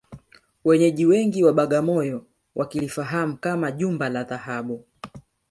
Wenyeji wengi wa Bagamoyo wakilifahamu kama Jumba la Dhahabu